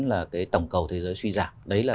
là cái tổng cầu thế giới suy giảm đấy là